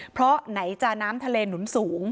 เพราะไหนจะน้ำทะเลหนุนสูง